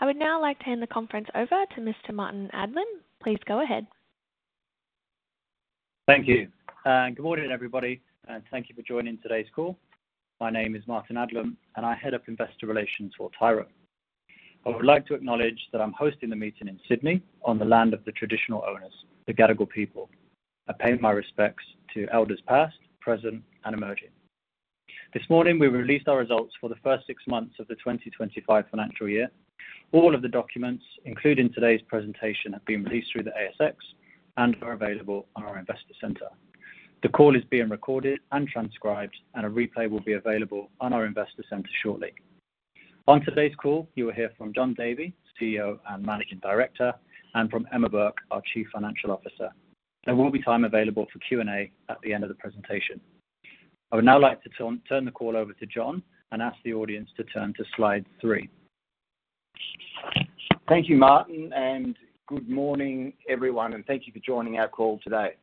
I would now like to hand the conference over to Mr. Martyn Adlam. Please go ahead. Thank you. Good morning, everybody, and thank you for joining today's call. My name is Martyn Adlam, and I head up investor relations for Tyro. I would like to acknowledge that I'm hosting the meeting in Sydney on the land of the traditional owners, the Gadigal people. I pay my respects to elders past, present, and emerging. This morning, we released our results for the first six months of the 2025 financial year. All of the documents, including today's presentation, have been released through the ASX and are available on our investor center. The call is being recorded and transcribed, and a replay will be available on our investor center shortly. On today's call, you will hear from Jon Davey, CEO and Managing Director, and from Emma Burke, our Chief Financial Officer. There will be time available for Q&A at the end of the presentation. I would now like to turn the call over to Jon and ask the audience to turn to slide three. Thank you, Martyn, and good morning, everyone, and thank you for joining our call today.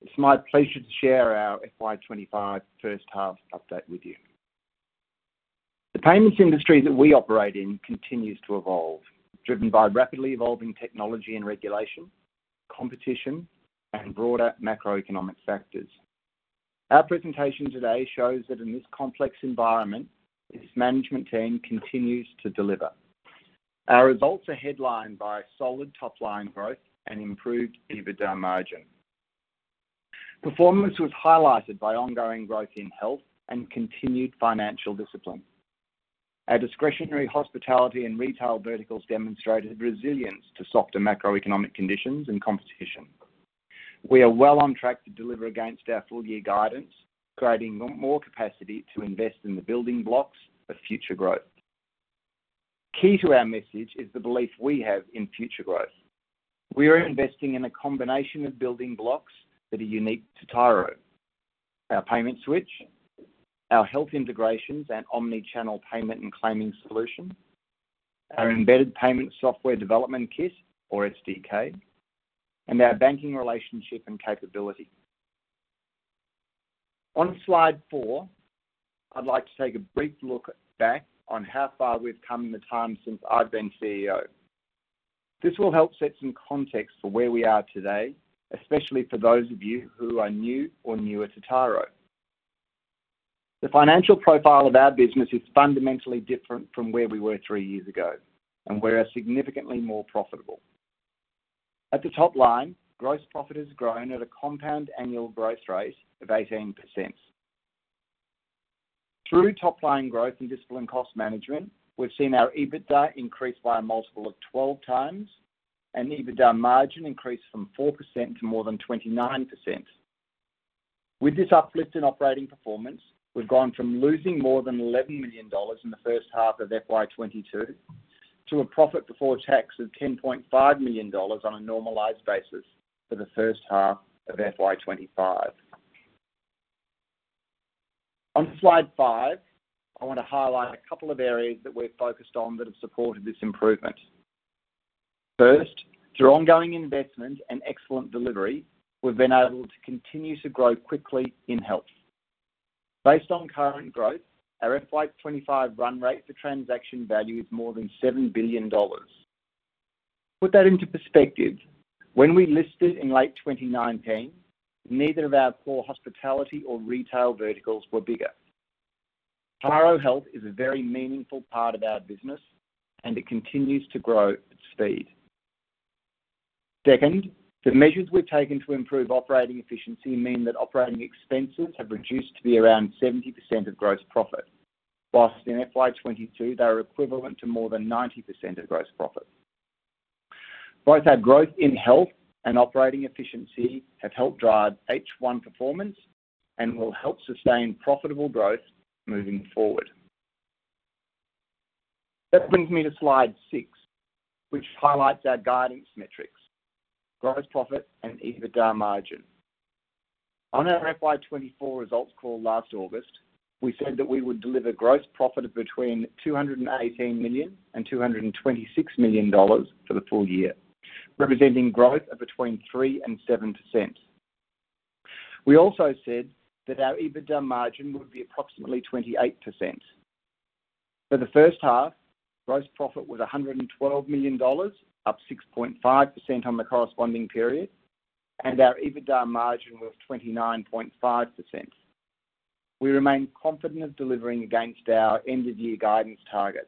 It's my pleasure to share our FY25 first-half update with you. The payments industry that we operate in continues to evolve, driven by rapidly evolving technology and regulation, competition, and broader macroeconomic factors. Our presentation today shows that in this complex environment, its management team continues to deliver. Our results are headlined by solid top-line growth and improved EBITDA margin. Performance was highlighted by ongoing growth in health and continued financial discipline. Our discretionary hospitality and retail verticals demonstrated resilience to softer macroeconomic conditions and competition. We are well on track to deliver against our full-year guidance, creating more capacity to invest in the building blocks of future growth. Key to our message is the belief we have in future growth. We are investing in a combination of building blocks that are unique to Tyro: our payment switch, our health integrations and omnichannel payment and claiming solution, our embedded payment software development kit, or SDK, and our banking relationship and capability. On slide four, I'd like to take a brief look back on how far we've come in the time since I've been CEO. This will help set some context for where we are today, especially for those of you who are new or newer to Tyro. The financial profile of our business is fundamentally different from where we were three years ago, and we're significantly more profitable. At the top line, gross profit has grown at a compound annual growth rate of 18%. Through top-line growth and disciplined cost management, we've seen our EBITDA increase by a multiple of 12 times, and EBITDA margin increase from 4% to more than 29%. With this uplift in operating performance, we've gone from losing more than 11 million dollars in the first half of FY22 to a profit before tax of 10.5 million dollars on a normalized basis for the first half of FY25. On slide five, I want to highlight a couple of areas that we've focused on that have supported this improvement. First, through ongoing investment and excellent delivery, we've been able to continue to grow quickly in health. Based on current growth, our FY25 run rate for transaction value is more than 7 billion dollars. Put that into perspective, when we listed in late 2019, neither of our four hospitality or retail verticals were bigger. Tyro Health is a very meaningful part of our business, and it continues to grow at speed. Second, the measures we've taken to improve operating efficiency mean that operating expenses have reduced to be around 70% of gross profit, while in FY22 they were equivalent to more than 90% of gross profit. Both our growth in health and operating efficiency have helped drive H1 performance and will help sustain profitable growth moving forward. That brings me to slide six, which highlights our guidance metrics: gross profit and EBITDA margin. On our FY24 results call last August, we said that we would deliver gross profit of between 218 million and 226 million dollars for the full year, representing growth of between 3% and 7%. We also said that our EBITDA margin would be approximately 28%. For the first half, gross profit was 112 million dollars, up 6.5% on the corresponding period, and our EBITDA margin was 29.5%. We remain confident of delivering against our end-of-year guidance targets.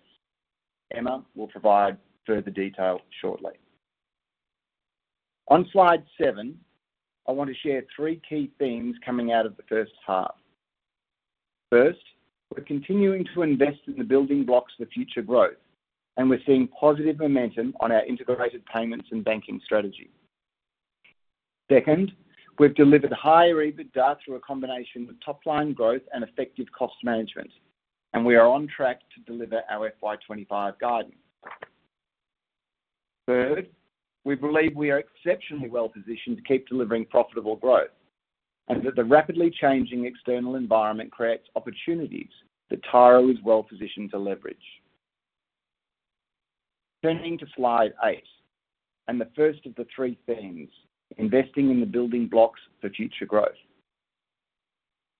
Emma will provide further detail shortly. On slide seven, I want to share three key themes coming out of the first half. First, we're continuing to invest in the building blocks for future growth, and we're seeing positive momentum on our integrated payments and banking strategy. Second, we've delivered higher EBITDA through a combination of top-line growth and effective cost management, and we are on track to deliver our FY25 guidance. Third, we believe we are exceptionally well-positioned to keep delivering profitable growth, and that the rapidly changing external environment creates opportunities that Tyro is well-positioned to leverage. Turning to slide eight and the first of the three themes: investing in the building blocks for future growth.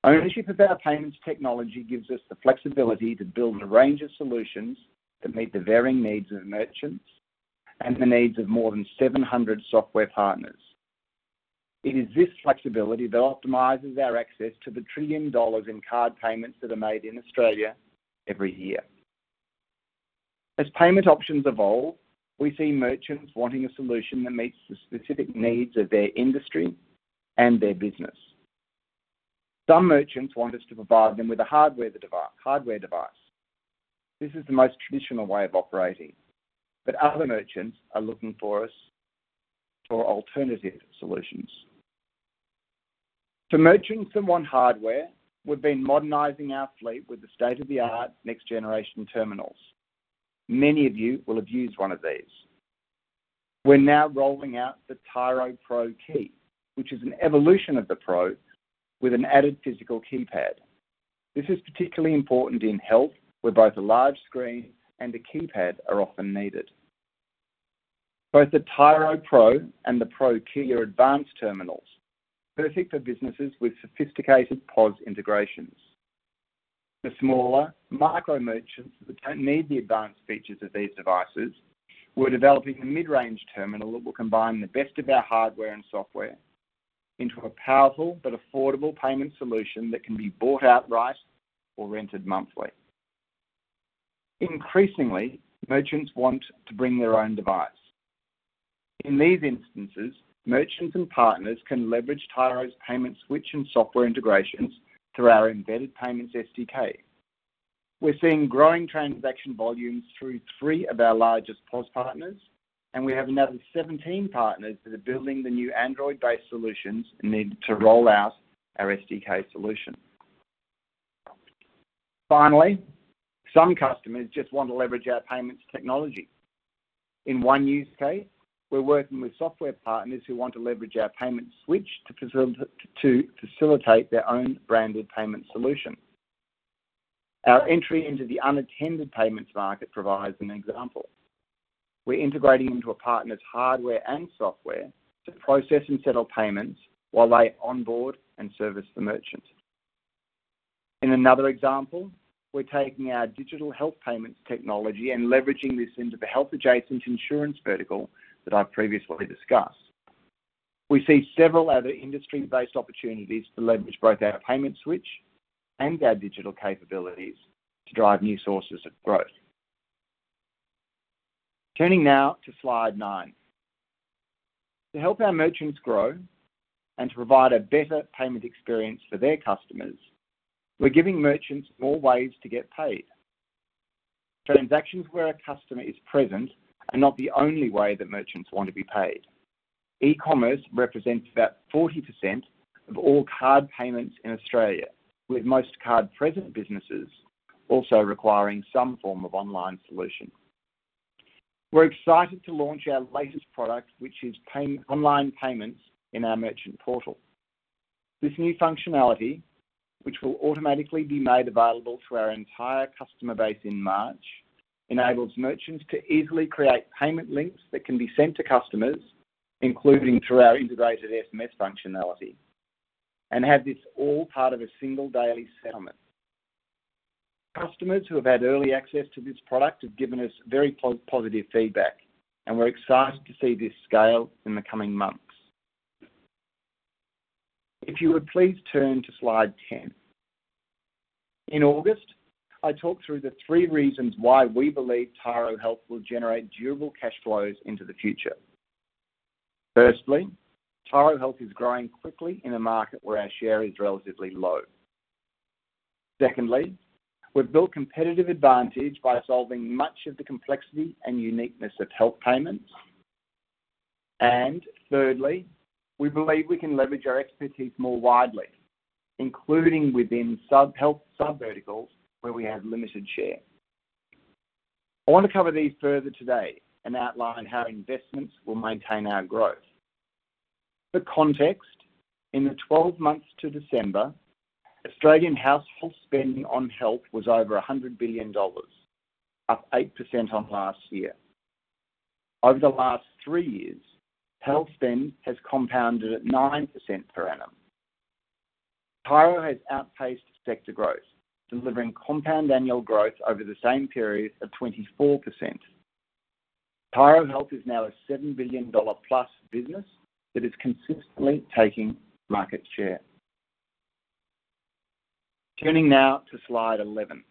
Ownership of our payments technology gives us the flexibility to build a range of solutions that meet the varying needs of merchants and the needs of more than 700 software partners. It is this flexibility that optimizes our access to 1 trillion dollars in card payments that are made in Australia every year. As payment options evolve, we see merchants wanting a solution that meets the specific needs of their industry and their business. Some merchants want us to provide them with a hardware device. This is the most traditional way of operating, but other merchants are looking to us for alternative solutions. For merchants who want one hardware, we've been modernizing our fleet with the state-of-the-art next-generation terminals. Many of you will have used one of these. We're now rolling out the Tyro Pro Key, which is an evolution of the Pro with an added physical keypad. This is particularly important in health, where both a large screen and a keypad are often needed. Both the Tyro Pro and the Pro Key are advanced terminals, perfect for businesses with sophisticated POS integrations. The smaller, micro merchants that don't need the advanced features of these devices, we're developing a mid-range terminal that will combine the best of our hardware and software into a powerful but affordable payment solution that can be bought outright or rented monthly. Increasingly, merchants want to bring their own device. In these instances, merchants and partners can leverage Tyro's payment switch and software integrations through our embedded payments SDK. We're seeing growing transaction volumes through three of our largest POS partners, and we have another 17 partners that are building the new Android-based solutions and need to roll out our SDK solution. Finally, some customers just want to leverage our payments technology. In one use case, we're working with software partners who want to leverage our payment switch to facilitate their own branded payment solution. Our entry into the unattended payments market provides an example. We're integrating into a partner's hardware and software to process and settle payments while they onboard and service the merchant. In another example, we're taking our digital health payments technology and leveraging this into the health-adjacent insurance vertical that I've previously discussed. We see several other industry-based opportunities to leverage both our payment switch and our digital capabilities to drive new sources of growth. Turning now to slide nine. To help our merchants grow and to provide a better payment experience for their customers, we're giving merchants more ways to get paid. Transactions where a customer is present are not the only way that merchants want to be paid. E-commerce represents about 40% of all card payments in Australia, with most card-present businesses also requiring some form of online solution. We're excited to launch our latest product, which is online payments in our merchant portal. This new functionality, which will automatically be made available to our entire customer base in March, enables merchants to easily create payment links that can be sent to customers, including through our integrated SMS functionality, and have this all part of a single daily settlement. Customers who have had early access to this product have given us very positive feedback, and we're excited to see this scale in the coming months. If you would please turn to slide 10. In August, I talked through the three reasons why we believe Tyro Health will generate durable cash flows into the future. Firstly, Tyro Health is growing quickly in a market where our share is relatively low. Secondly, we've built competitive advantage by solving much of the complexity and uniqueness of health payments. And thirdly, we believe we can leverage our expertise more widely, including within sub-health sub-verticals where we have limited share. I want to cover these further today and outline how investments will maintain our growth. For context, in the 12 months to December, Australian household spending on health was over 100 billion dollars, up 8% on last year. Over the last three years, health spend has compounded at 9% per annum. Tyro has outpaced sector growth, delivering compound annual growth over the same period of 24%. Tyro Health is now a 7 billion dollar-plus business that is consistently taking market share. Turning now to slide 11.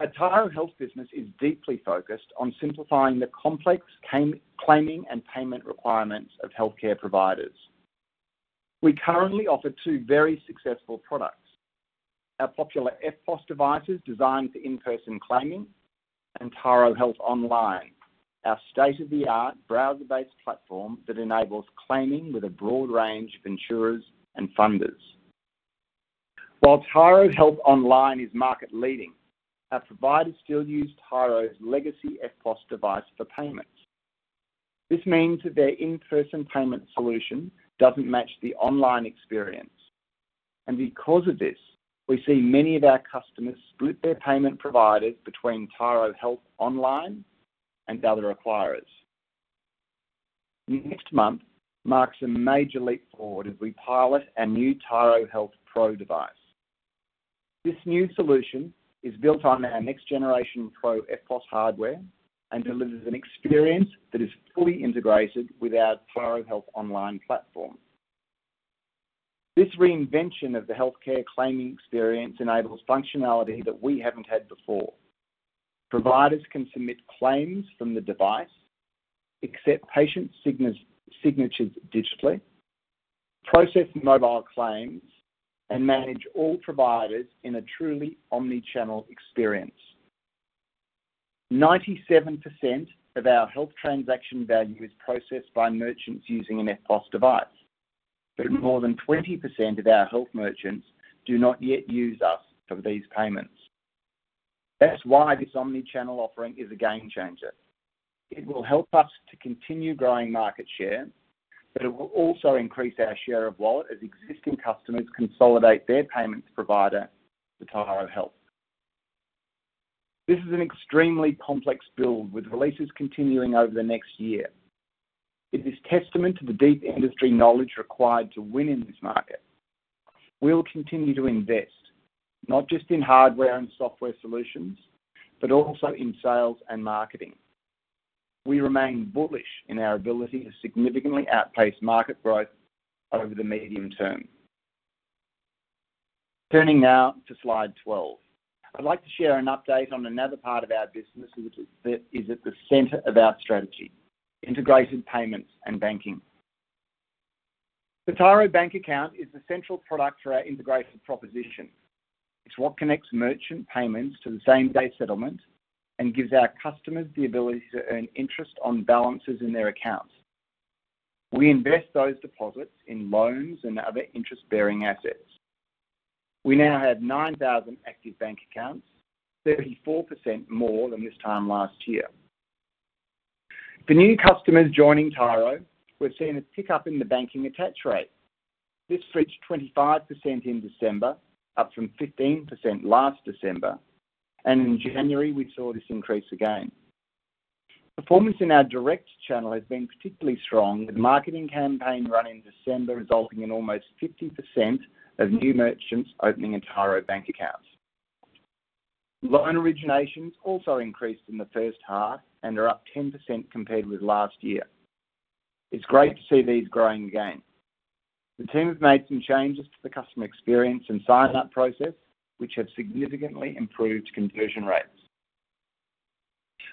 Our Tyro Health business is deeply focused on simplifying the complex claiming and payment requirements of healthcare providers. We currently offer two very successful products: our popular EFTPOS devices designed for in-person claiming and Tyro Health Online, our state-of-the-art browser-based platform that enables claiming with a broad range of insurers and funders. While Tyro Health Online is market-leading, our providers still use Tyro's legacy EFTPOS device for payments. This means that their in-person payment solution doesn't match the online experience. And because of this, we see many of our customers split their payment providers between Tyro Health Online and other acquirers. Next month marks a major leap forward as we pilot a new Tyro Health Pro device. This new solution is built on our next-generation Pro EFTPOS hardware and delivers an experience that is fully integrated with our Tyro Health Online platform. This reinvention of the healthcare claiming experience enables functionality that we haven't had before. Providers can submit claims from the device, accept patient signatures digitally, process mobile claims, and manage all providers in a truly omnichannel experience. 97% of our health transaction value is processed by merchants using an EFTPOS device, but more than 20% of our health merchants do not yet use us for these payments. That's why this omnichannel offering is a game changer. It will help us to continue growing market share, but it will also increase our share of wallet as existing customers consolidate their payments provider to Tyro Health. This is an extremely complex build with releases continuing over the next year. It is testament to the deep industry knowledge required to win in this market. We'll continue to invest not just in hardware and software solutions, but also in sales and marketing. We remain bullish in our ability to significantly outpace market growth over the medium term. Turning now to slide 12, I'd like to share an update on another part of our business that is at the center of our strategy: integrated payments and banking. The Tyro Bank Account is the central product for our integrated proposition. It's what connects merchant payments to the same-day settlement and gives our customers the ability to earn interest on balances in their accounts. We invest those deposits in loans and other interest-bearing assets. We now have 9,000 active bank accounts, 34% more than this time last year. For new customers joining Tyro, we're seeing a pickup in the banking attach rate. This reached 25% in December, up from 15% last December, and in January, we saw this increase again. Performance in our direct channel has been particularly strong, with a marketing campaign run in December resulting in almost 50% of new merchants opening a Tyro Bank Account. Loan originations also increased in the first half and are up 10% compared with last year. It's great to see these growing again. The team have made some changes to the customer experience and sign-up process, which have significantly improved conversion rates.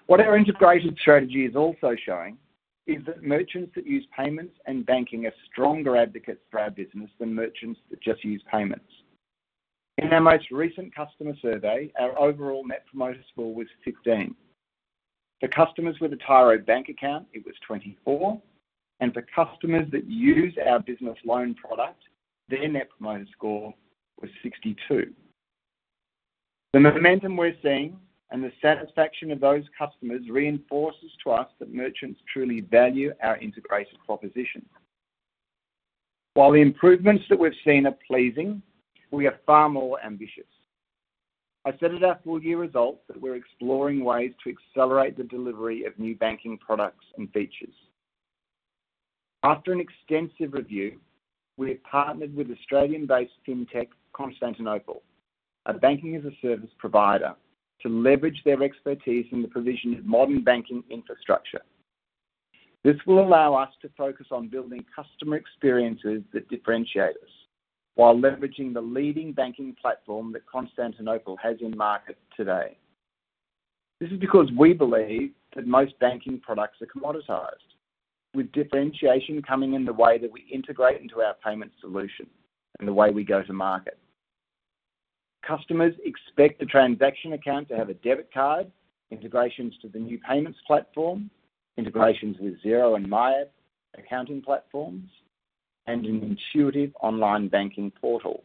What our integrated strategy is also showing is that merchants that use payments and banking are stronger advocates for our business than merchants that just use payments. In our most recent customer survey, our overall Net Promoter Score was 15. For customers with a Tyro Bank Account, it was 24, and for customers that use our business loan product, their Net Promoter Score was 62. The momentum we're seeing and the satisfaction of those customers reinforces to us that merchants truly value our integrated proposition. While the improvements that we've seen are pleasing, we are far more ambitious. I said at our full-year results that we're exploring ways to accelerate the delivery of new banking products and features. After an extensive review, we've partnered with Australian-based FinTech Constantinople, a banking-as-a-service provider, to leverage their expertise in the provision of modern banking infrastructure. This will allow us to focus on building customer experiences that differentiate us while leveraging the leading banking platform that Constantinople has in market today. This is because we believe that most banking products are commoditized, with differentiation coming in the way that we integrate into our payment solution and the way we go to market. Customers expect the transaction account to have a debit card, integrations to the new payments platform, integrations with Xero and MyIB accounting platforms, and an intuitive online banking portal.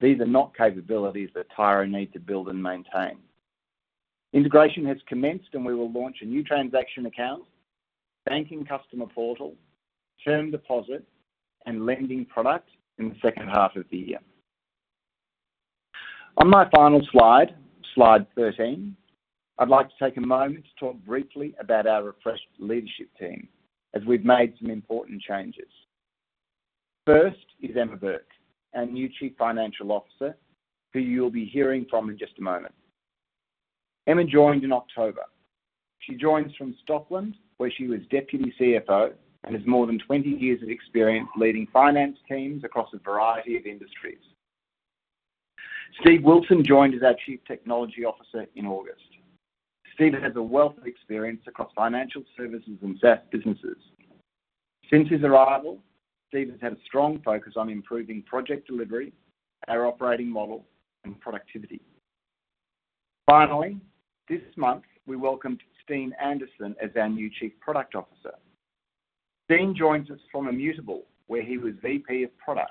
These are not capabilities that Tyro need to build and maintain. Integration has commenced, and we will launch a new transaction account, banking customer portal, term deposit, and lending product in the second half of the year. On my final slide, slide 13, I'd like to take a moment to talk briefly about our refreshed leadership team as we've made some important changes. First is Emma Burke, our new Chief Financial Officer, who you'll be hearing from in just a moment. Emma joined in October. She joins from Stockholm, where she was Deputy CFO and has more than 20 years of experience leading finance teams across a variety of industries. Steve Wilson joined as our Chief Technology Officer in August. Steve has a wealth of experience across financial services and SaaS businesses. Since his arrival, Steve has had a strong focus on improving project delivery, our operating model, and productivity. Finally, this month, we welcomed Steen Anderson as our new Chief Product Officer. Steen joins us from Immutable, where he was VP of Product.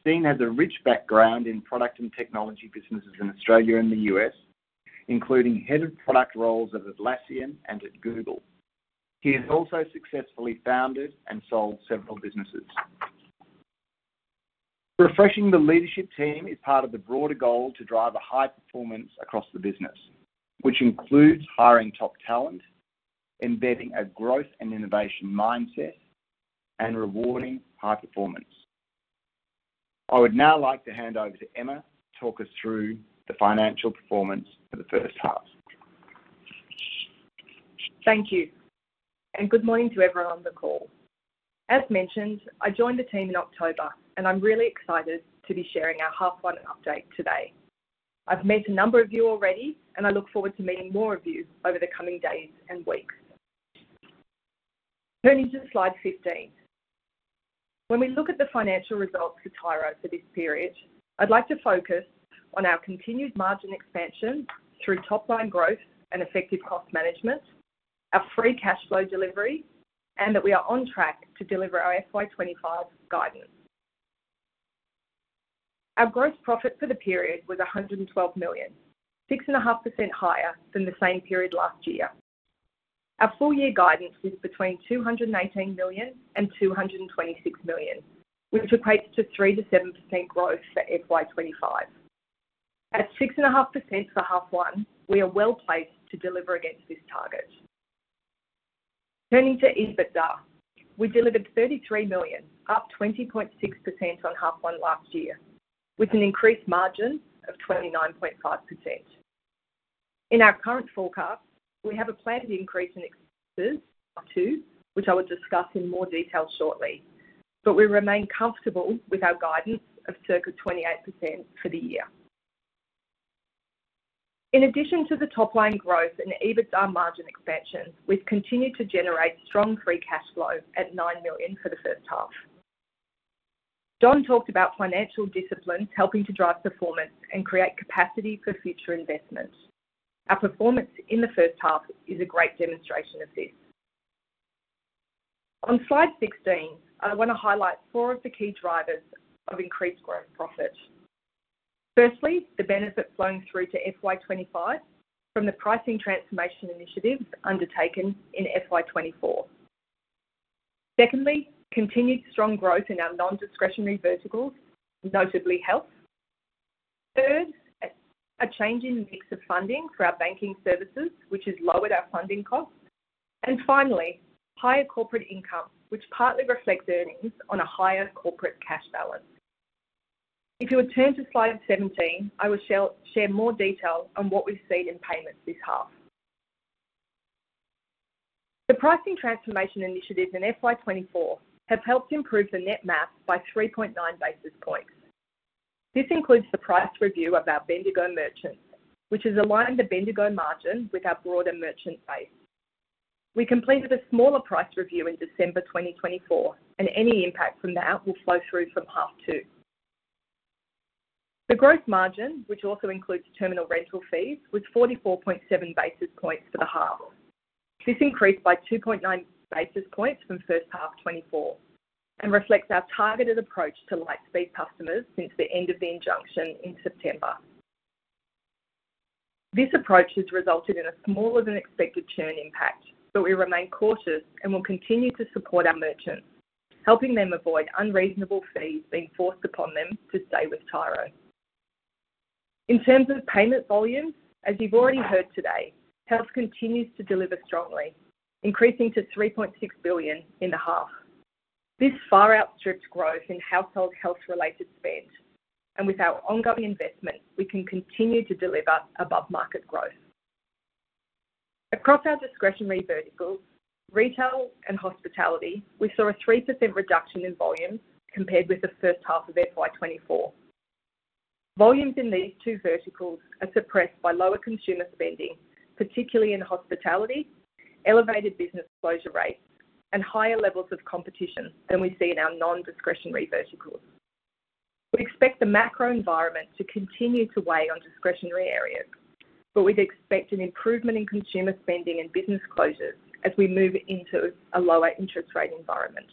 Steen has a rich background in product and technology businesses in Australia and the U.S., including head of product roles at Atlassian and at Google. He has also successfully founded and sold several businesses. Refreshing the leadership team is part of the broader goal to drive a high performance across the business, which includes hiring top talent, embedding a growth and innovation mindset, and rewarding high performance. I would now like to hand over to Emma to talk us through the financial performance for the first half. Thank you. Good morning to everyone on the call. As mentioned, I joined the team in October, and I'm really excited to be sharing our H1 update today. I've met a number of you already, and I look forward to meeting more of you over the coming days and weeks. Turning to slide 15, when we look at the financial results for Tyro for this period, I'd like to focus on our continued margin expansion through top-line growth and effective cost management, our free cash flow delivery, and that we are on track to deliver our FY25 guidance. Our gross profit for the period was 112 million, 6.5% higher than the same period last year. Our full-year guidance is between 218 million and 226 million, which equates to 3%-7% growth for FY25. At 6.5% for H1, we are well placed to deliver against this target. Turning to EBITDA, we delivered 33 million, up 20.6% on H1 final last year, with an increased margin of 29.5%. In our current forecast, we have a planned increase in expenses of 2%, which I will discuss in more detail shortly, but we remain comfortable with our guidance of circa 28% for the year. In addition to the top-line growth and EBITDA margin expansion, we've continued to generate strong free cash flow at 9 million for the first half. Jon talked about financial discipline helping to drive performance and create capacity for future investment. Our performance in the first half is a great demonstration of this. On slide 16, I want to highlight four of the key drivers of increased gross profit. Firstly, the benefit flowing through to FY25 from the pricing transformation initiatives undertaken in FY24. Secondly, continued strong growth in our non-discretionary verticals, notably health. Third, a change in the mix of funding for our banking services, which has lowered our funding costs. And finally, higher corporate income, which partly reflects earnings on a higher corporate cash balance. If you would turn to slide 17, I will share more detail on what we've seen in payments this half. The pricing transformation initiatives in FY24 have helped improve the net MAF by 3.9 basis points. This includes the price review of our Bendigo merchants, which has aligned the Bendigo margin with our broader merchant base. We completed a smaller price review in December 2024, and any impact from that will flow through from half-two. The gross margin, which also includes terminal rental fees, was 44.7 basis points for the half. This increased by 2.9 basis points from first half 2024 and reflects our targeted approach to Lightspeed customers since the end of the injunction in September. This approach has resulted in a smaller-than-expected churn impact, but we remain cautious and will continue to support our merchants, helping them avoid unreasonable fees being forced upon them to stay with Tyro. In terms of payment volumes, as you've already heard today, health continues to deliver strongly, increasing to 3.6 billion in the half. This far outstrips growth in household health-related spend, and with our ongoing investment, we can continue to deliver above-market growth. Across our discretionary verticals, retail and hospitality, we saw a 3% reduction in volume compared with the first half of FY24. Volumes in these two verticals are suppressed by lower consumer spending, particularly in hospitality, elevated business closure rates, and higher levels of competition than we see in our non-discretionary verticals. We expect the macro environment to continue to weigh on discretionary areas, but we'd expect an improvement in consumer spending and business closures as we move into a lower interest rate environment.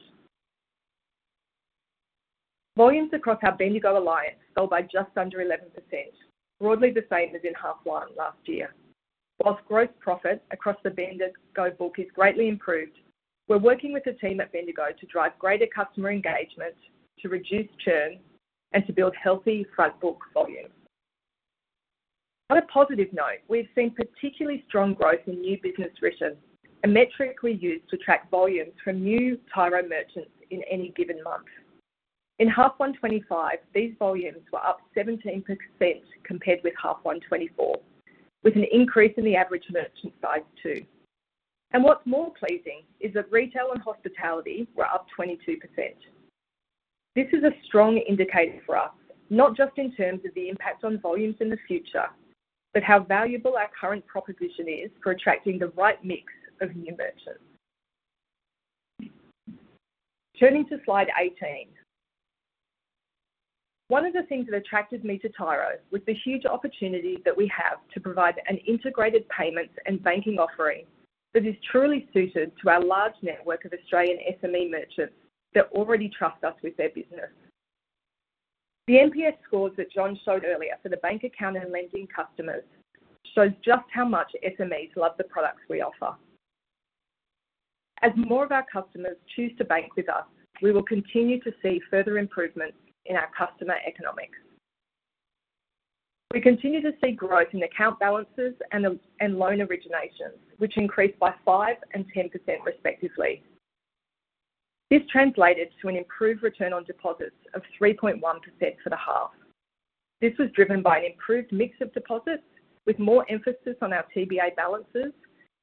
Volumes across our Bendigo Alliance fell by just under 11%, broadly the same as in 1H24. While gross profit across the Bendigo book is greatly improved, we're working with the team at Bendigo to drive greater customer engagement, to reduce churn, and to build healthy front-book volume. On a positive note, we've seen particularly strong growth in new business written, a metric we use to track volumes from new Tyro merchants in any given month. In 1H25, these volumes were up 17% compared with 1H24, with an increase in the average merchant size too, and what's more pleasing is that retail and hospitality were up 22%. This is a strong indicator for us, not just in terms of the impact on volumes in the future, but how valuable our current proposition is for attracting the right mix of new merchants. Turning to slide 18, one of the things that attracted me to Tyro was the huge opportunity that we have to provide an integrated payments and banking offering that is truly suited to our large network of Australian SME merchants that already trust us with their business. The NPS scores that Jon showed earlier for the bank account and lending customers show just how much SMEs love the products we offer. As more of our customers choose to bank with us, we will continue to see further improvements in our customer economics. We continue to see growth in account balances and loan originations, which increased by five and 10% respectively. This translated to an improved return on deposits of 3.1% for the half. This was driven by an improved mix of deposits, with more emphasis on our TBA balances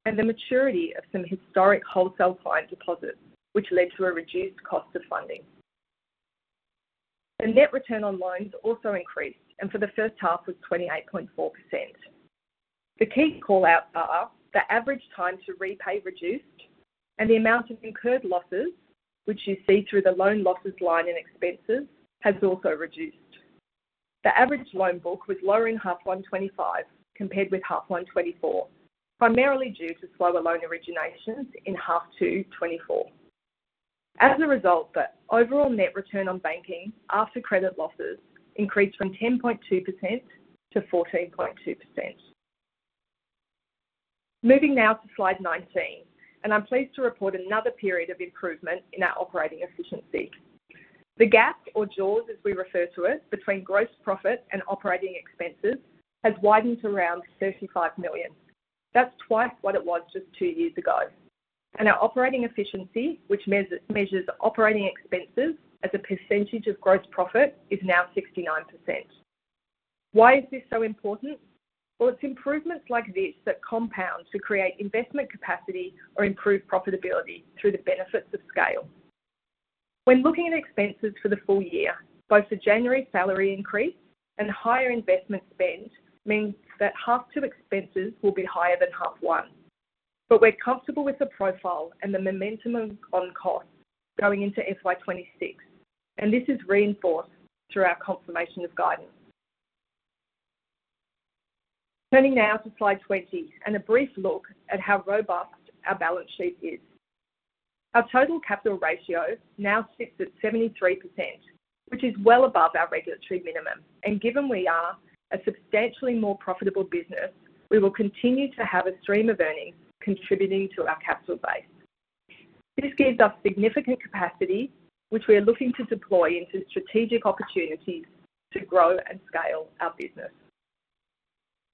and the maturity of some historic wholesale client deposits, which led to a reduced cost of funding. The net return on loans also increased, and for the first half, it was 28.4%. The key callouts are the average time to repay reduced, and the amount of incurred losses, which you see through the loan losses line in expenses, has also reduced. The average loan book was lower in 1H FY25 compared with 1H FY24, primarily due to slower loan originations in H2 FY24. As a result, the overall net return on banking after credit losses increased from 10.2% to 14.2%. Moving now to slide 19, and I'm pleased to report another period of improvement in our operating efficiency. The gap, or jaws as we refer to it, between gross profit and operating expenses has widened to around 35 million. That's twice what it was just two years ago. And our operating efficiency, which measures operating expenses as a percentage of gross profit, is now 69%. Why is this so important? Well, it's improvements like this that compound to create investment capacity or improve profitability through the benefits of scale. When looking at expenses for the full year, both the January salary increase and higher investment spend means that second half expenses will be higher than first half. But we're comfortable with the profile and the momentum on costs going into FY26, and this is reinforced through our confirmation of guidance. Turning now to slide 20 and a brief look at how robust our balance sheet is. Our total capital ratio now sits at 73%, which is well above our regulatory minimum, and given we are a substantially more profitable business, we will continue to have a stream of earnings contributing to our capital base. This gives us significant capacity, which we are looking to deploy into strategic opportunities to grow and scale our business.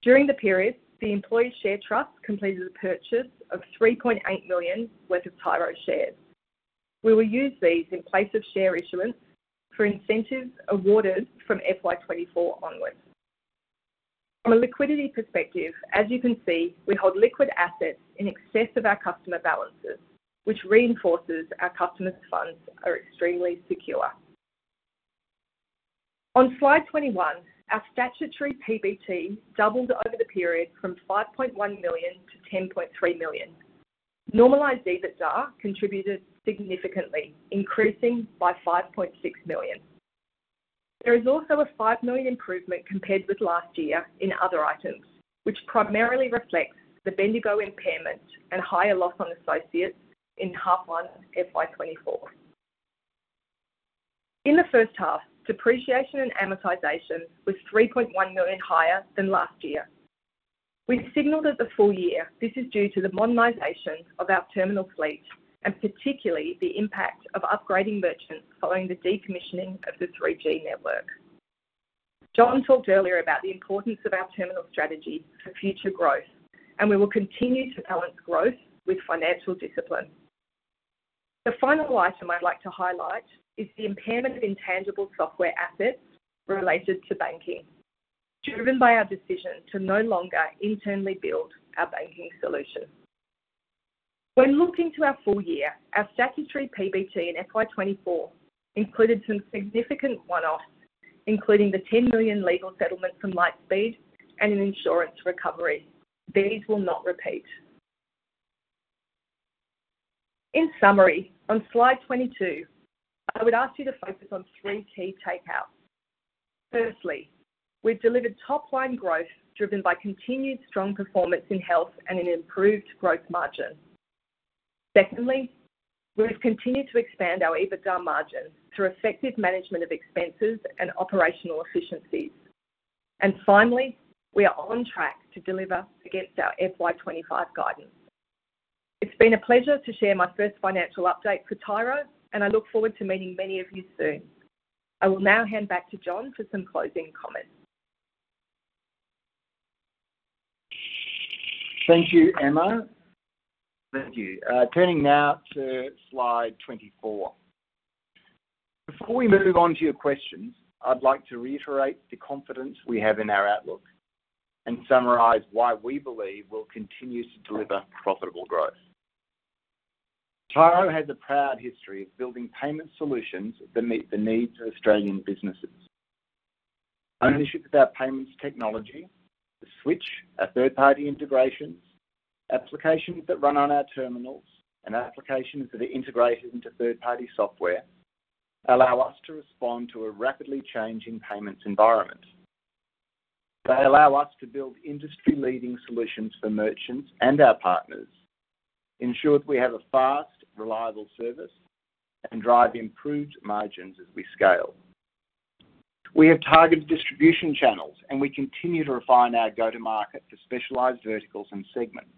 During the period, the employee share trust completed a purchase of 3.8 million worth of Tyro shares. We will use these in place of share issuance for incentives awarded from FY24 onwards. From a liquidity perspective, as you can see, we hold liquid assets in excess of our customer balances, which reinforces our customers' funds are extremely secure. On slide 21, our statutory PBT doubled over the period from 5.1 million to 10.3 million. Normalized EBITDA contributed significantly, increasing by 5.6 million. There is also an five million improvement compared with last year in other items, which primarily reflects the Bendigo impairment and higher loss on associates in H1 FY24. In the first half, depreciation and amortization was 3.1 million higher than last year. We've signaled at the full year this is due to the modernization of our terminal fleet and particularly the impact of upgrading merchants following the decommissioning of the 3G network. Jon talked earlier about the importance of our terminal strategy for future growth, and we will continue to balance growth with financial discipline. The final item I'd like to highlight is the impairment of intangible software assets related to banking, driven by our decision to no longer internally build our banking solution. When looking to our full year, our statutory PBT in FY24 included some significant one-offs, including the 10 million legal settlement from Lightspeed and an insurance recovery. These will not repeat. In summary, on slide 22, I would ask you to focus on three key takeouts. Firstly, we've delivered top-line growth driven by continued strong performance in health and an improved gross margin. Secondly, we've continued to expand our EBITDA margin through effective management of expenses and operational efficiencies. And finally, we are on track to deliver against our FY25 guidance. It's been a pleasure to share my first financial update for Tyro, and I look forward to meeting many of you soon. I will now hand back to Jon for some closing comments. Thank you, Emma. Thank you. Turning now to slide 24. Before we move on to your questions, I'd like to reiterate the confidence we have in our outlook and summarize why we believe we'll continue to deliver profitable growth. Tyro has a proud history of building payment solutions that meet the needs of Australian businesses. Ownership of our payments technology, the switch, our third-party integrations, applications that run on our terminals, and applications that are integrated into third-party software allow us to respond to a rapidly changing payments environment. They allow us to build industry-leading solutions for merchants and our partners, ensure that we have a fast, reliable service, and drive improved margins as we scale. We have targeted distribution channels, and we continue to refine our go-to-market for specialized verticals and segments.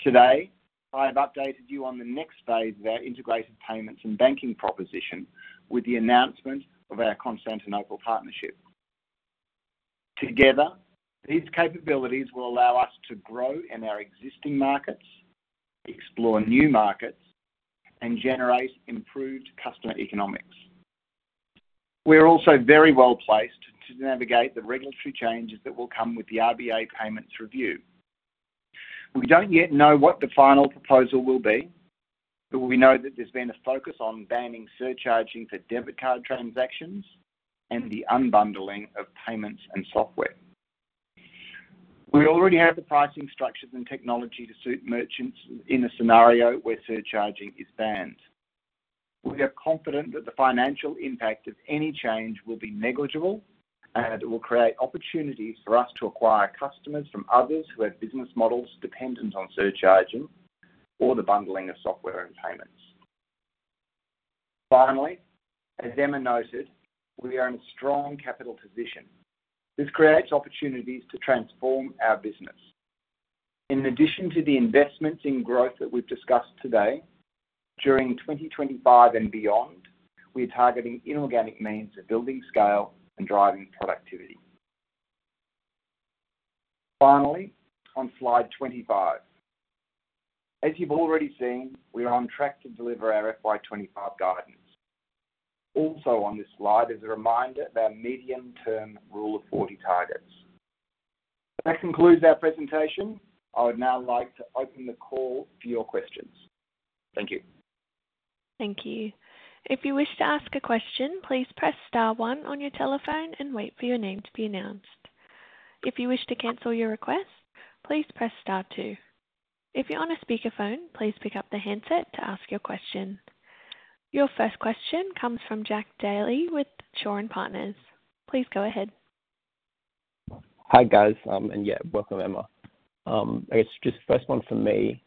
Today, I have updated you on the next phase of our integrated payments and banking proposition with the announcement of our Constantinople partnership. Together, these capabilities will allow us to grow in our existing markets, explore new markets, and generate improved customer economics. We are also very well placed to navigate the regulatory changes that will come with the RBA payments review. We don't yet know what the final proposal will be, but we know that there's been a focus on banning surcharging for debit card transactions and the unbundling of payments and software. We already have the pricing structures and technology to suit merchants in a scenario where surcharging is banned. We are confident that the financial impact of any change will be negligible and that it will create opportunities for us to acquire customers from others who have business models dependent on surcharging or the bundling of software and payments. Finally, as Emma noted, we are in a strong capital position. This creates opportunities to transform our business. In addition to the investments in growth that we've discussed today, during 2025 and beyond, we are targeting inorganic means of building scale and driving productivity. Finally, on slide 25, as you've already seen, we are on track to deliver our FY25 guidance. Also on this slide is a reminder of our medium-term Rule of 40 targets. That concludes our presentation. I would now like to open the call for your questions. Thank you. Thank you. If you wish to ask a question, please press star one on your telephone and wait for your name to be announced. If you wish to cancel your request, please press star two. If you're on a speakerphone, please pick up the handset to ask your question. Your first question comes from Jack Daley with Shaw and Partners. Please go ahead. Hi, guys. And yeah, welcome, Emma. I guess just first one for me,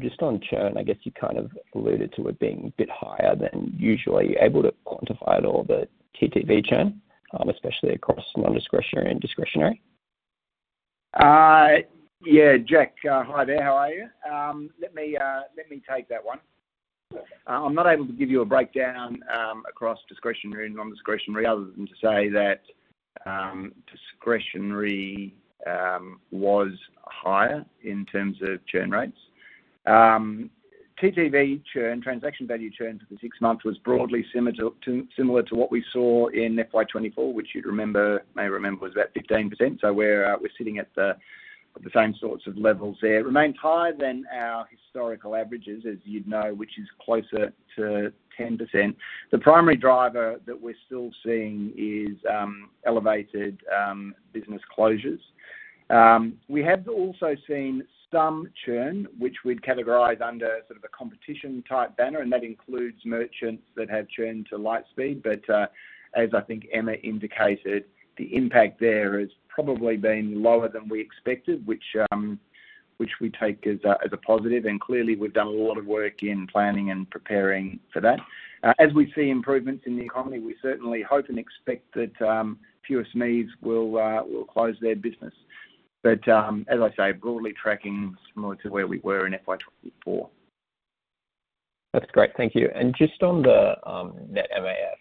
just on churn. I guess you kind of alluded to it being a bit higher than usual. Are you able to quantify at all the TTV churn, especially across non-discretionary and discretionary? Yeah, Jack, hi there. How are you? Let me take that one. I'm not able to give you a breakdown across discretionary and non-discretionary other than to say that discretionary was higher in terms of churn rates. TTV churn, transaction value churn for the six months was broadly similar to what we saw in FY24, which you may remember was about 15%. So we're sitting at the same sorts of levels there. It remains higher than our historical averages, as you'd know, which is closer to 10%. The primary driver that we're still seeing is elevated business closures. We have also seen some churn, which we'd categorize under sort of a competition-type banner, and that includes merchants that have churned to Lightspeed. But as I think Emma indicated, the impact there has probably been lower than we expected, which we take as a positive. And clearly, we've done a lot of work in planning and preparing for that. As we see improvements in the economy, we certainly hope and expect that fewer SMEs will close their business. But as I say, broadly tracking similar to where we were in FY24. That's great. Thank you. And just on the net MAF,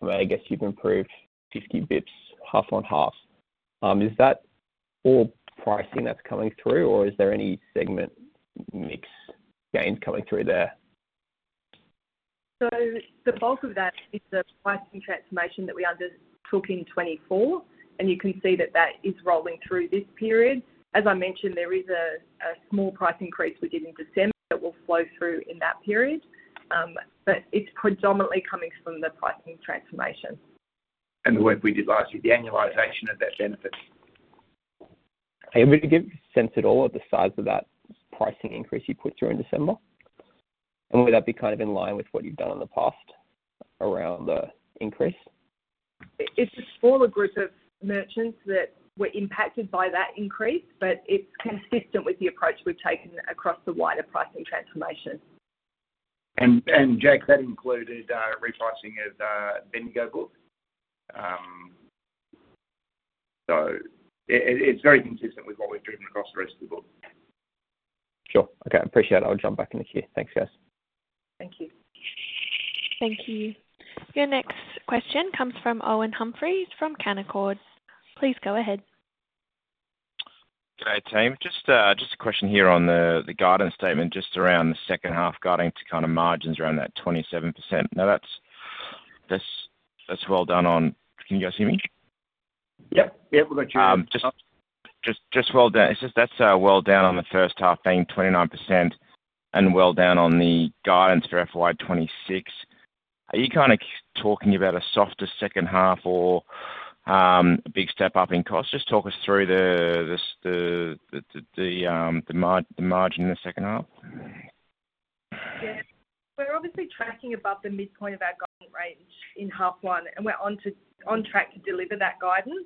I mean, I guess you've improved 50 basis points, half on half. Is that all pricing that's coming through, or is there any segment mix gains coming through there? So the bulk of that is the pricing transformation that we undertook in 2024, and you can see that that is rolling through this period. As I mentioned, there is a small price increase we did in December that will flow through in that period, but it's predominantly coming from the pricing transformation. And the work we did last year, the annualization of that benefit. Can you give a sense at all of the size of that pricing increase you put through in December? And would that be kind of in line with what you've done in the past around the increase? It's a smaller group of merchants that were impacted by that increase, but it's consistent with the approach we've taken across the wider pricing transformation. And Jack, that included repricing of Bendigo book. So it's very consistent with what we've driven across the rest of the book. Sure. Okay. Appreciate it. I'll jump back in if you need anything. Thanks, guys. Thank you. Thank you. Your next question comes from Owen Humphries from Canaccord. Please go ahead. Good day, team. Just a question here on the guidance statement just around the second half guiding to kind of margins around that 27%. Now, that's well done on - can you guys hear me? Yep. Yep. We've got you. Just well done. It's just that's well done on the first half being 29% and well done on the guidance for FY26. Are you kind of talking about a softer second half or a big step up in cost? Just talk us through the margin in the second half. Yeah. We're obviously tracking above the midpoint of our guidance range in half one, and we're on track to deliver that guidance.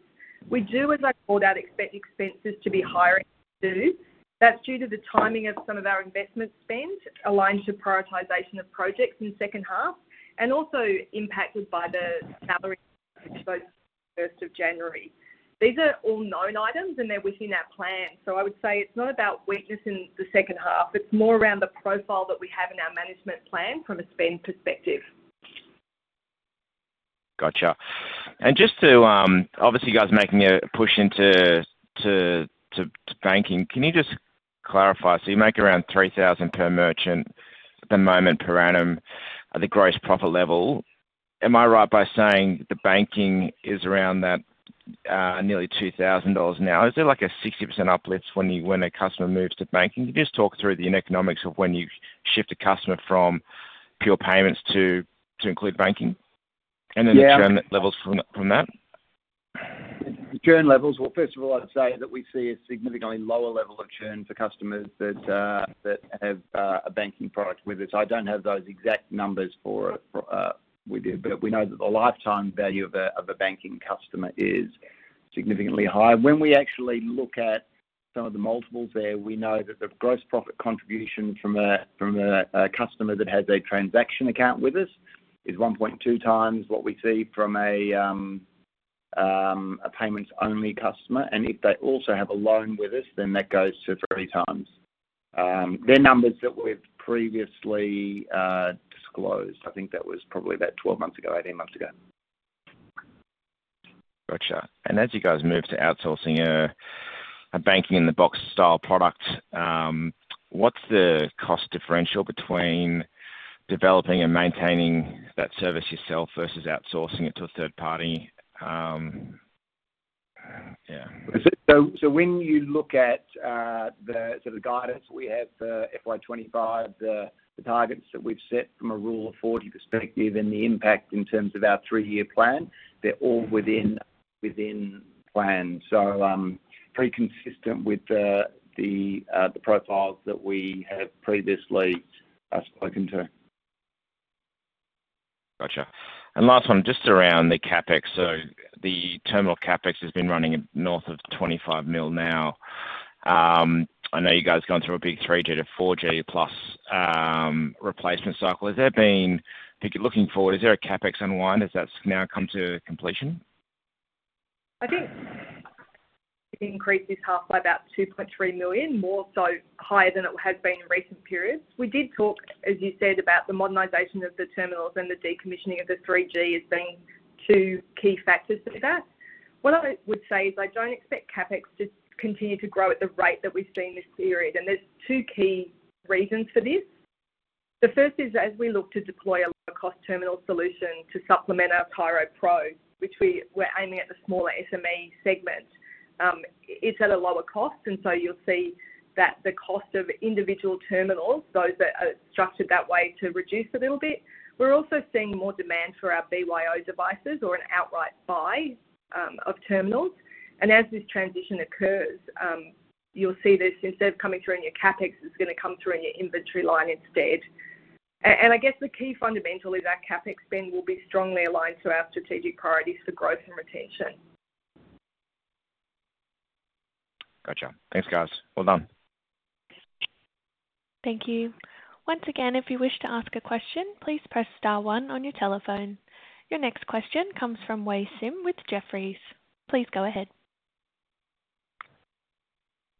We do, as I called out, expect expenses to be higher in June. That's due to the timing of some of our investment spend aligned to prioritization of projects in the second half and also impacted by the salary expectations for the first of January. These are all known items, and they're within our plan. So I would say it's not about weakness in the second half. It's more around the profile that we have in our management plan from a spend perspective. Gotcha. And just to obviously, you guys are making a push into banking. Can you just clarify? So you make around 3,000 per merchant at the moment per annum at the gross profit level. Am I right by saying the banking is around that nearly 2,000 dollars now? Is there like a 60% uplift when a customer moves to banking? Can you just talk through the economics of when you shift a customer from pure payments to include banking and then the churn levels from that? Churn levels. Well, first of all, I'd say that we see a significantly lower level of churn for customers that have a banking product with us. I don't have those exact numbers for it with you, but we know that the lifetime value of a banking customer is significantly higher. When we actually look at some of the multiples there, we know that the gross profit contribution from a customer that has a transaction account with us is 1.2 times what we see from a payments-only customer. And if they also have a loan with us, then that goes to three times. They're numbers that we've previously disclosed. I think that was probably about 12 months ago, 18 months ago. Gotcha. As you guys move to outsourcing a banking-in-the-box style product, what's the cost differential between developing and maintaining that service yourself versus outsourcing it to a third party? Yeah. So when you look at the guidance we have for FY25, the targets that we've set from a rule of 40 perspective and the impact in terms of our three-year plan, they're all within plan. So pretty consistent with the profiles that we have previously spoken to. Gotcha. And last one, just around the CapEx. So the terminal CapEx has been running north of 25 million now. I know you guys are going through a big 3G to 4G plus replacement cycle. If you're looking forward, is there a CapEx unwind as that's now come to completion? I think it increases half by about 2.3 million, more so higher than it has been in recent periods. We did talk, as you said, about the modernization of the terminals and the decommissioning of the 3G as being two key factors for that. What I would say is I don't expect CapEx to continue to grow at the rate that we've seen this period. And there's two key reasons for this. The first is, as we look to deploy a low-cost terminal solution to supplement our Tyro Pro, which we're aiming at the smaller SME segment, it's at a lower cost. And so you'll see that the cost of individual terminals, those that are structured that way, to reduce a little bit. We're also seeing more demand for our BYO devices or an outright buy of terminals. And as this transition occurs, you'll see this, instead of coming through in your CapEx, it's going to come through in your inventory line instead. I guess the key fundamental is our CapEx spend will be strongly aligned to our strategic priorities for growth and retention. Gotcha. Thanks, guys. Well done. Thank you. Once again, if you wish to ask a question, please press star one on your telephone. Your next question comes from Wei Sim with Jefferies. Please go ahead.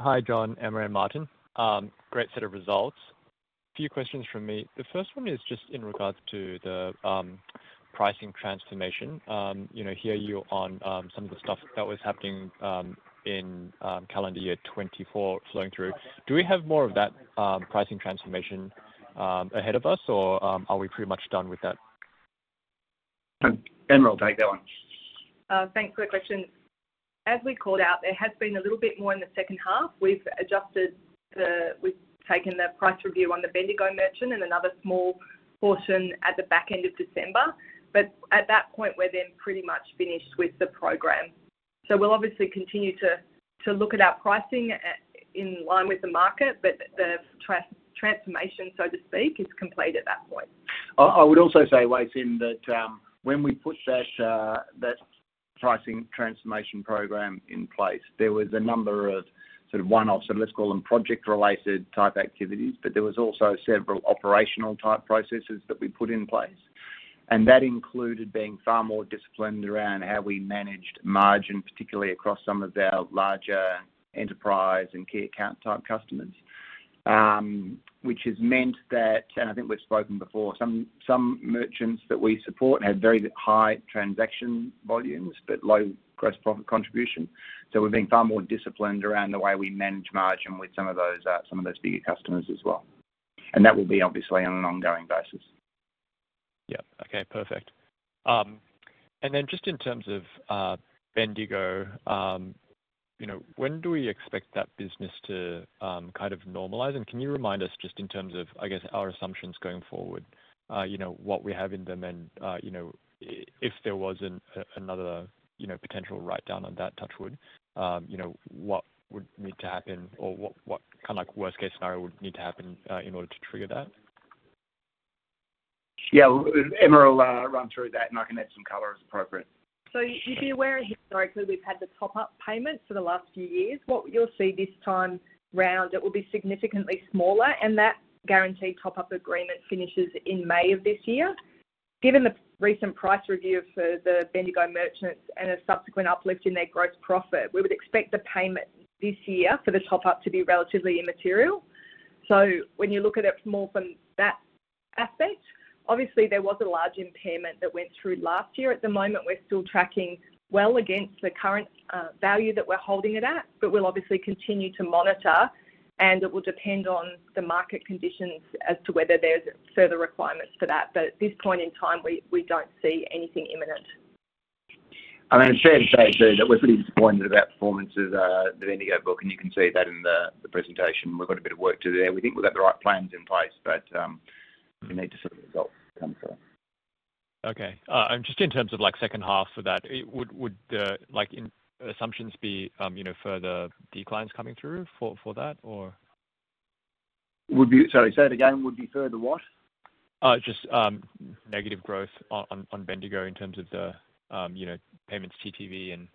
Hi, Jon, Emma and Martyn. Great set of results. A few questions from me. The first one is just in regards to the pricing transformation. Where we are on some of the stuff that was happening in calendar year 2024 flowing through. Do we have more of that pricing transformation ahead of us, or are we pretty much done with that? Emma will take that one. Thanks for the question. As we called out, there has been a little bit more in the second half. We've adjusted. We've taken the price review on the Bendigo merchant and another small portion at the back end of December, but at that point, we're then pretty much finished with the program, so we'll obviously continue to look at our pricing in line with the market, but the transformation, so to speak, is complete at that point. I would also say, Wei Sim, that when we put that pricing transformation program in place, there was a number of sort of one-offs, so let's call them project-related type activities, but there was also several operational type processes that we put in place. And that included being far more disciplined around how we managed margin, particularly across some of our larger enterprise and key account type customers, which has meant that, and I think we've spoken before, some merchants that we support had very high transaction volumes but low gross profit contribution. So we've been far more disciplined around the way we manage margin with some of those bigger customers as well. And that will be, obviously, on an ongoing basis. Yep. Okay. Perfect. And then just in terms of Bendigo, when do we expect that business to kind of normalize? And can you remind us just in terms of, I guess, our assumptions going forward, what we have in them and if there was another potential write-down on that touchwood, what would need to happen or what kind of worst-case scenario would need to happen in order to trigger that? Yeah. Emma will run through that and I can add some color as appropriate, so you'd be aware historically we've had the top-up payment for the last few years. What you'll see this time round, it will be significantly smaller, and that guaranteed top-up agreement finishes in May of this year. Given the recent price review for the Bendigo merchants and a subsequent uplift in their gross profit, we would expect the payment this year for the top-up to be relatively immaterial, so when you look at it more from that aspect, obviously, there was a large impairment that went through last year. At the moment, we're still tracking well against the current value that we're holding it at, but we'll obviously continue to monitor, and it will depend on the market conditions as to whether there's further requirements for that. But at this point in time, we don't see anything imminent. I mean, it's fair to say, too, that we're pretty disappointed about the performance of Bendigo Bank, and you can see that in the presentation. We've got a bit of work to do there. We think we've got the right plans in place, but we need to see the results come through. Okay. And just in terms of second half for that, would assumptions be further declines coming through for that, or? Sorry. Say that again. Would be further what? Just negative growth on Bendigo in terms of the payments, TTV, and.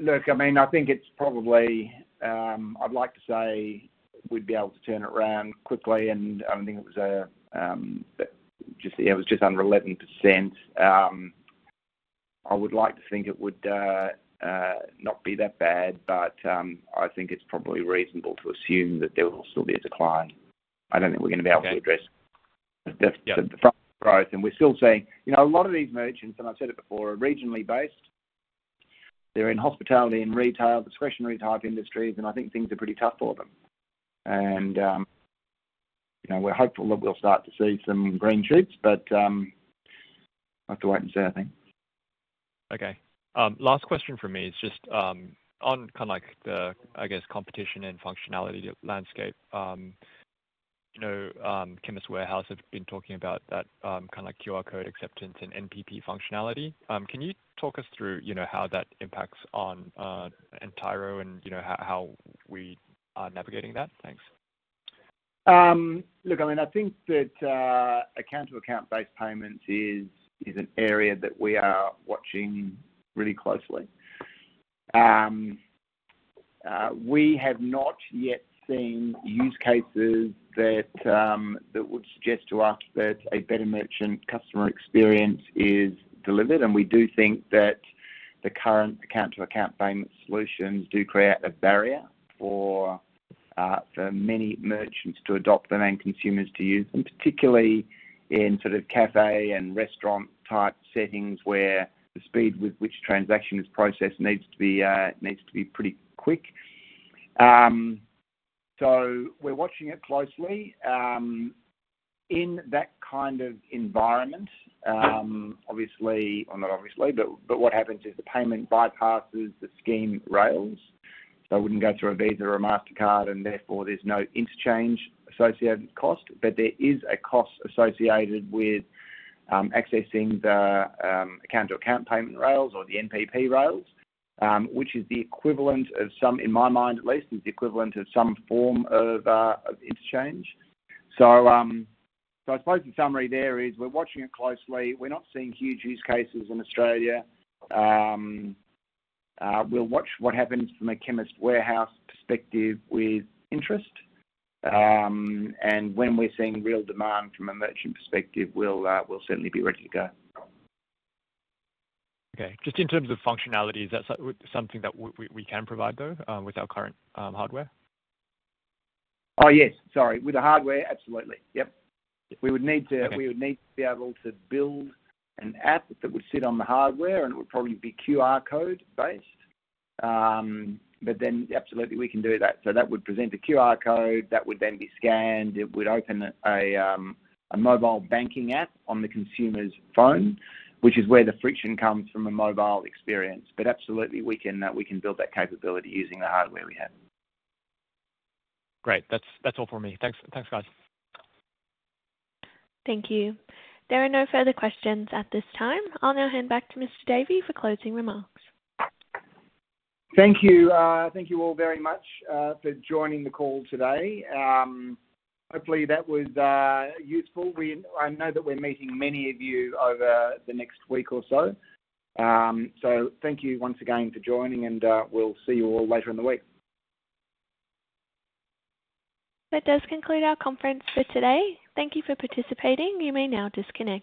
Look, I mean, I think it's probably. I'd like to say we'd be able to turn it around quickly, and I don't think it was just under 11%. I would like to think it would not be that bad, but I think it's probably reasonable to assume that there will still be a decline. I don't think we're going to be able to address the growth, and we're still seeing a lot of these merchants, and I've said it before, are regionally based. They're in hospitality and retail, discretionary type industries, and I think things are pretty tough for them, and we're hopeful that we'll start to see some green shoots, but I have to wait and see I think. Okay. Last question from me is just on kind of the, I guess, competition and functionality landscape. Chemist Warehouse have been talking about that kind of QR code acceptance and NPP functionality. Can you talk us through how that impacts on Tyro and how we are navigating that? Thanks. Look, I mean, I think that account-to-account-based payments is an area that we are watching really closely. We have not yet seen use cases that would suggest to us that a better merchant customer experience is delivered. And we do think that the current account-to-account payment solutions do create a barrier for many merchants to adopt and then consumers to use them, particularly in sort of café and restaurant type settings where the speed with which transaction is processed needs to be pretty quick. So we're watching it closely. In that kind of environment, obviously or not obviously, but what happens is the payment bypasses the scheme rails. So it wouldn't go through a Visa or a Mastercard, and therefore there's no interchange associated cost. But there is a cost associated with accessing the account-to-account payment rails or the NPP rails, which is the equivalent, in my mind at least, of some form of interchange. So I suppose the summary there is we're watching it closely. We're not seeing huge use cases in Australia. We'll watch what happens from a Chemist Warehouse perspective with interest. And when we're seeing real demand from a merchant perspective, we'll certainly be ready to go. Okay. Just in terms of functionality, is that something that we can provide though with our current hardware? Oh, yes. Sorry. With the hardware, absolutely. Yep. We would need to be able to build an app that would sit on the hardware, and it would probably be QR code based. But then absolutely, we can do that. So that would present a QR code that would then be scanned. It would open a mobile banking app on the consumer's phone, which is where the friction comes from a mobile experience. But absolutely, we can build that capability using the hardware we have. Great. That's all for me. Thanks, guys. Thank you. There are no further questions at this time. I'll now hand back to Mr. Davey for closing remarks. Thank you. Thank you all very much for joining the call today. Hopefully, that was useful. I know that we're meeting many of you over the next week or so. So thank you once again for joining, and we'll see you all later in the week. That does conclude our conference for today. Thank you for participating. You may now disconnect.